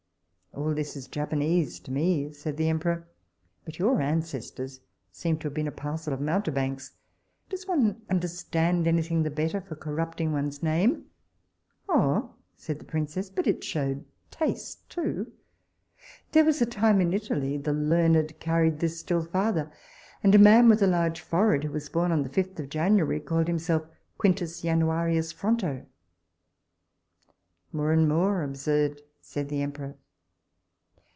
All this is Japonese to me, said the emperor; but your ancestors seem to have been a parcel of mountebanks. Does one understand any thing the better for corrupting one's name? Oh, said the princess, but it shewed taste too. There was a time when in Italy the learned carried this still farther; and a man with a large forehead, who was born on the fifth of January, called himself Quintus Januarius Fronto. More and more absurd, said the emperor.